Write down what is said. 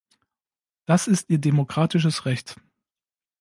Das ist ihr demokratisches Recht.